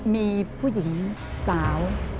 มีผู้หญิงสาว